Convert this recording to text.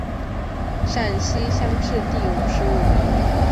陕西乡试第五十五名。